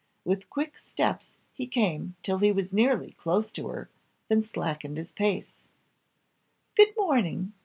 With quick steps he came till he was nearly close to her, then slackened his pace. "Good morning!"